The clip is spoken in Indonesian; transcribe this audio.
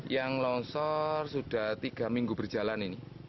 yang longsor sudah tiga minggu berjalan ini